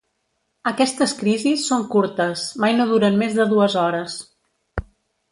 Aquestes crisis són curtes, mai no duren més de dues hores.